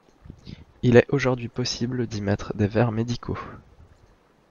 Il est aujourd'hui possible d'y mettre des verres médicaux.